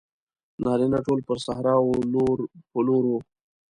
نارینه ټول پر صحرا وو لور په لور وو.